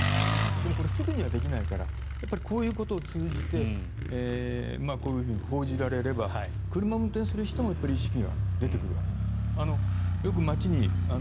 でもこれ、すぐにはできないからこういうことを通じてこういうふうに報じられれば車を運転する人にも意識が出てくるわけで。